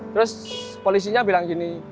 terus polisinya bilang gini